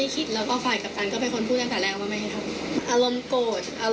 มีคิดละแปบพึ่งมาไหมคะ